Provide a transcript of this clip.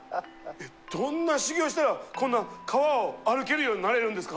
えどんな修行したらこんな川を歩けるようになれるんですか？